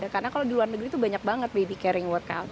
karena kalau di luar negeri tuh banyak banget baby caring workout